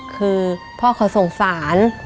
คือพ่อเขาสงสาร